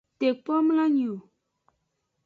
De kpo mloanyi o.